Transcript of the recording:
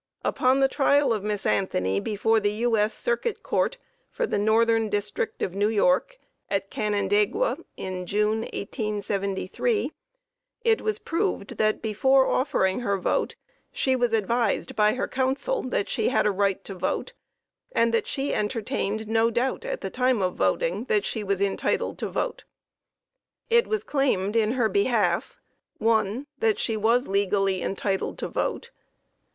Upon the trial of Miss ANTHONY before the U.S. Circuit Court for the Northern District of New York, at Canandaigua, in June, 1873, it was proved that before offering her vote she was advised by her counsel that she had a right to vote; and that she entertained no doubt, at the time of voting, that she was entitled to vote. It was claimed in her behalf: I. That she was legally entitled to vote.